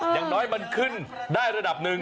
อย่างน้อยมันขึ้นได้ระดับหนึ่ง